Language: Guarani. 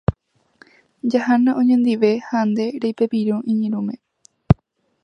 Jahána oñondive ha nde reipepirũ iñirũme.